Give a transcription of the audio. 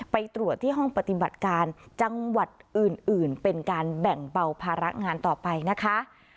ไปตรวจที่ห้องปฏิบัติการจังหวัดอื่นเป็นการแบ่งเบาภาระงานต่อไปนะคะ